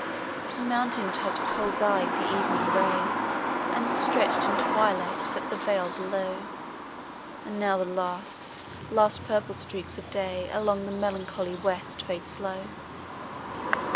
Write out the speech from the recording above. From mountain tops cold died the evening ray, And, stretch'd in twilight, slept the vale below; And now the last, last purple streaks of day Along the melancholy West fade slow.